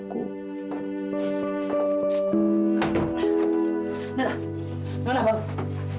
boleh saya flapsok pada hari ini